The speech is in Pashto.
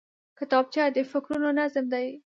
کتابچه د فکرونو نظم دی